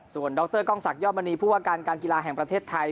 ส่วนดรกล้องศักดมณีผู้ว่าการการกีฬาแห่งประเทศไทย